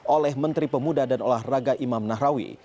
oleh menteri pemuda dan olahraga imam nahrawi